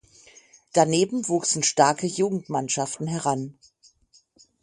Daneben wuchsen starke Jugendmannschaften heran.